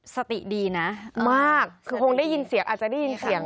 สติดีนะมากคือคงได้ยินเสียงอาจจะได้ยินเสียง